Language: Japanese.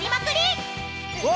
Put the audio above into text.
うわ！